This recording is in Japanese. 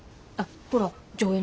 あっほら条